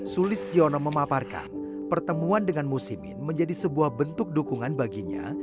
sulistiono memaparkan pertemuan dengan musimin menjadi sebuah bentuk dukungan baginya